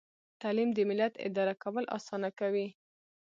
تعلیم د ملت اداره کول اسانه کوي.